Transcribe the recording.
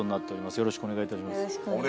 よろしくお願いします。